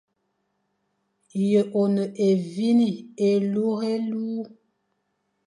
Yô e ne évîne, élurélur.